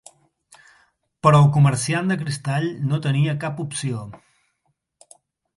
Però el comerciant de cristall no tenia cap opció.